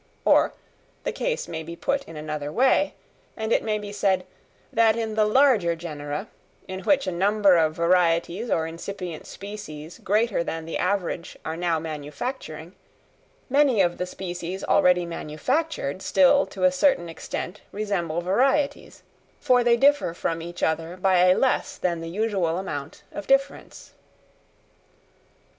Or the case may be put in another way, and it may be said, that in the larger genera, in which a number of varieties or incipient species greater than the average are now manufacturing, many of the species already manufactured still to a certain extent resemble varieties, for they differ from each other by a less than the usual amount of difference.